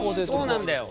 そうなんだよ。